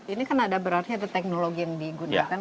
ini kan ada berarti ada teknologi yang digunakan